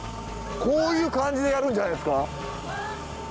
こういう感じでやるんじゃないですか？